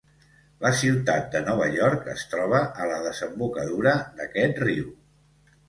La ciutat de Nova York es troba a la desembocadura d'aquest riu.